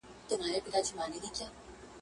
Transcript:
یارانو لوبه اوړي د اسمان څه به کوو؟.